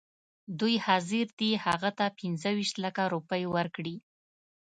دوی حاضر دي هغه ته پنځه ویشت لکه روپۍ ورکړي.